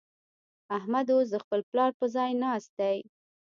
احمد اوس د خپل پلار پر ځای ناست دی.